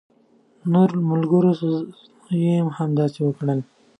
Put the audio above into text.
نورو ملګرو يې هم همداسې وکړل.